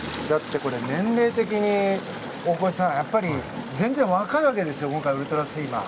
年齢的に大越さん、全然若いわけですよウルトラスイマー。